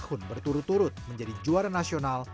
dua tahun berturut turut menjadi juara nasional